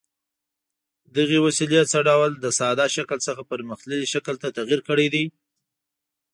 دغې وسیلې څه ډول له ساده شکل څخه پرمختللي شکل ته تغیر کړی دی؟